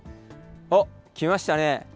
おっ、来ましたね。